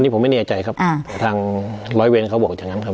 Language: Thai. ผมไม่แน่ใจครับทางร้อยเวรเขาบอกอย่างนั้นครับ